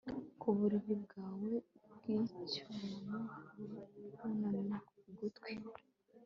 ku buriri bwawe bw'icyunamo, wunamye ku gutwi